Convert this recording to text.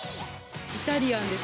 イタリアンです。